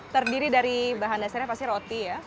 terdiri dari bahan dasarnya pasti roti ya